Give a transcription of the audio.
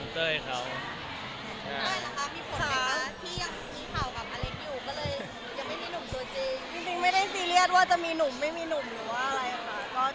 จริงไม่ได้ซีเรียสว่าจะมีหนุ่มไม่มีหนุ่มหรือว่าอะไรล่ะครับ